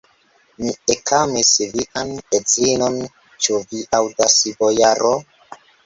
Mi ekamis vian edzinon, ĉu vi aŭdas, bojaro?